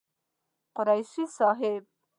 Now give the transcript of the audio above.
قريشي صاحب